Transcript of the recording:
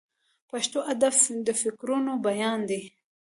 پښتو ادب د فکرونو بیان دی.